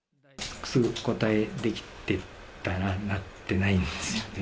すぐお答えできてたらなってないんですよね。